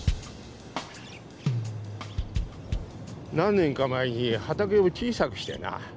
何年か前に畑を小さくしてな。